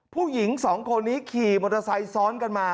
ผู้หญิงสองคนนี้ขี่มอเตอร์ไซค์ซ้อนกันมา